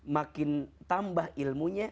makin tambah ilmunya